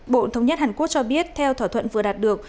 bộ thống nhất hàn quốc cho biết theo thỏa thuận vừa đạt được